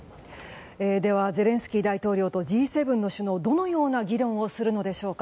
ではゼレンスキー大統領とＧ７の首脳どのような議論をするのでしょうか。